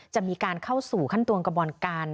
จะมีการเข้าสู่ขั้นตอนกระบวนการ